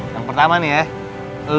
yang pertama nih ya